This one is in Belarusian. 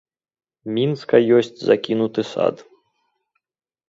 Мінска ёсць закінуты сад.